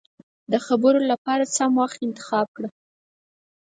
د خبرو له پاره سم وخت انتخاب کړه.